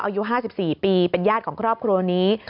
อายุ๕๔ปีเป็นญาติของครอบครัวนี้